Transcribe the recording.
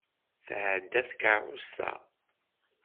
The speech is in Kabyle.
Tetɛedda tkeṛṛust-a!